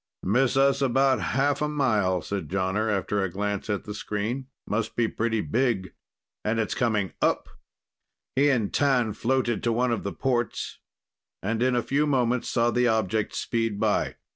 "Miss us about half a mile," said Jonner after a glance at the screen. "Must be pretty big ... and it's coming up!" He and T'an floated to one of the ports, and in a few moments saw the object speed by.